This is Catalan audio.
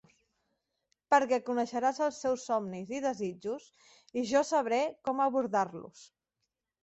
Perquè coneixeràs els seus somnis i desitjos i jo sabré com abordar-los.